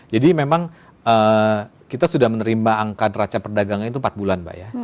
memang kita sudah menerima angka neraca perdagangan itu empat bulan pak ya